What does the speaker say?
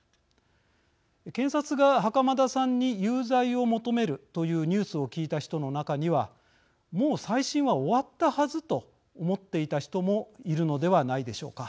検察が袴田さんに有罪を求めるというニュースを聞いた人の中にはもう再審は終わったはずと思っていた人もいるのではないでしょうか。